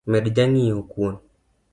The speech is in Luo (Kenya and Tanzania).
Med jang’iewo kuon